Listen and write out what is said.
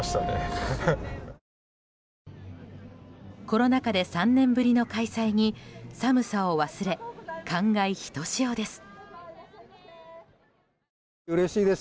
コロナ禍で３年ぶりの開催に寒さを忘れ、感慨ひとしおです。